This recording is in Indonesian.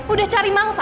udah cari mangsa